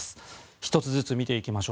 １つずつ見ていきましょう。